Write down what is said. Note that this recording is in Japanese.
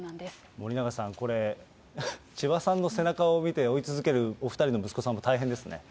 森永さん、これ、千葉さんの背中を見て、追い続けるお２人の息子さんも大変ですね。